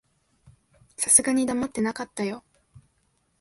さすがに黙ってなかったよ。